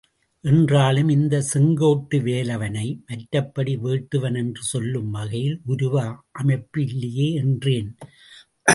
என்றாலும் இந்த செங்கோட்டு வேலவனை மற்றபடி வேட்டுவன் என்று சொல்லும் வகையில் உருவ அமைப்பு இல்லையே என்றேன்.